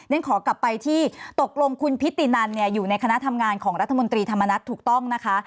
ขอกลับไปที่ตกลงคุณพิธีนันเนี่ยอยู่ในคณะทำงานของรัฐมนตรีธรรมนัฐถูกต้องนะคะ